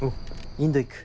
インド行く。